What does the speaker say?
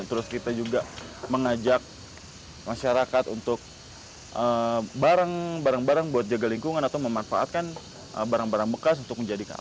terus kita juga mengajak masyarakat untuk barang barang buat jaga lingkungan atau memanfaatkan barang barang bekas untuk menjadikan